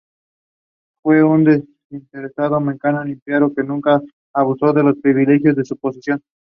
Fue un desinteresado mecenas literario, que nunca abusó de los privilegios de su posición.